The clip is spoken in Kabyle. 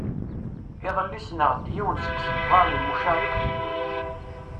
Iḍelli ssneɣ-d yiwen seg isegbaren mucaεen akk di ddunit.